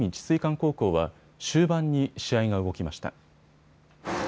高校は終盤に試合が動きました。